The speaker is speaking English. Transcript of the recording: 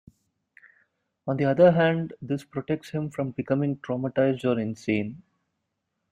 On the other hand, this protects him from becoming traumatized or insane.